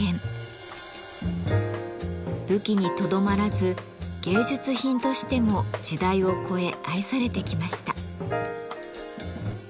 武器にとどまらず芸術品としても時代を越え愛されてきました。